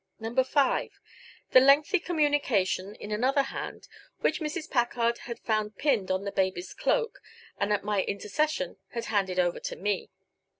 No. 5: The lengthy communication in another hand, which Mrs. Packard had found pinned on the baby's cloak, and at my intercession had handed over to me.